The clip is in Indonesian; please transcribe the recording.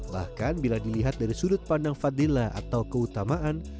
bahkan bila dilihat dari sudut pandang fadila atau keutamaan